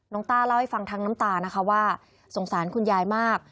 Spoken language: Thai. ต้าเล่าให้ฟังทั้งน้ำตานะคะว่าสงสารคุณยายมาก